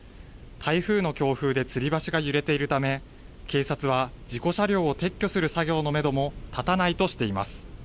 台風の強風でつり橋が揺れているため警察は事故車両を撤去する作業のめども立たないとしています。